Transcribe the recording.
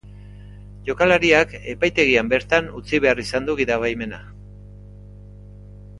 Jokalariak epaitegian bertan utzi behar izan du gidabaimena.